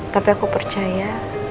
tapi aku percaya